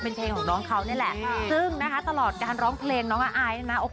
เป็นเพลงของน้องเขานี่แหละซึ่งนะคะตลอดการร้องเพลงน้องอายเนี่ยนะ